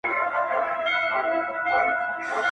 د بلبلکو له سېلونو به وي ساه ختلې؛